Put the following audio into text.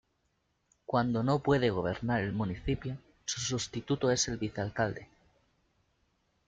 Cuando no puede gobernar el municipio, su sustituto es el Vice-Alcalde.